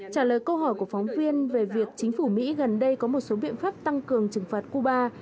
trả lời câu hỏi của phóng viên về việc chính phủ mỹ gần đây có một số biện pháp tăng cường trừng phạt cuba